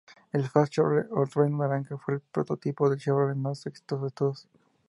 El Fast-Chevrolet o Trueno Naranja, fue el Prototipo Chevrolet más exitoso de todos.